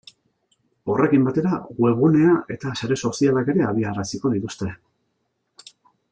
Horrekin batera webgunea eta sare sozialak ere abiaraziko dituzte.